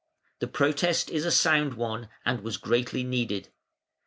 The protest is a sound one and was greatly needed.